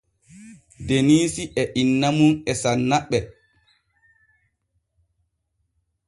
Deniisi e inna mum e sanna ɓe.